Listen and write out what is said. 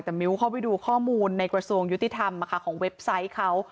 แต่มิ้วเข้าไปดูข้อมูลในกระทรวงยุติธรรมของเว็บไซต์เขา